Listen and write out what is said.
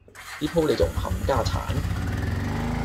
呢鑊你仲唔冚家鏟